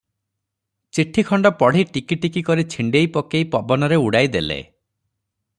ଚିଠି ଖଣ୍ଡ ପଢ଼ି ଟିକି ଟିକି କରି ଛିଣ୍ଡେଇ ପକେଇ ପବନରେ ଉଡ଼ାଇ ଦେଲେ ।